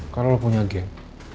kalau lo punya geng